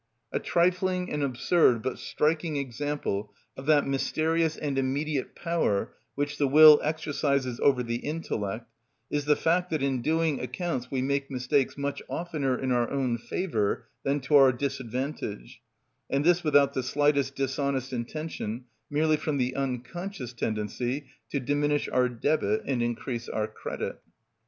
A trifling and absurd, but striking example of that mysterious and immediate power which the will exercises over the intellect, is the fact that in doing accounts we make mistakes much oftener in our own favour than to our disadvantage, and this without the slightest dishonest intention, merely from the unconscious tendency to diminish our Debit and increase our Credit.